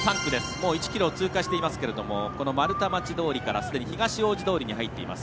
もう１ｋｍ通過していますが丸太町通から、すでに東大路通に入っています。